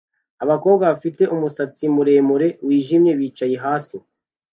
Abakobwa bafite umusatsi muremure wijimye bicaye hasi